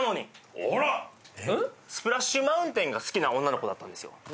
スプラッシュ・マウンテンが好きな女の子だったんですよ